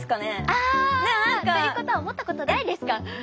あっていうことは思ったことないですか？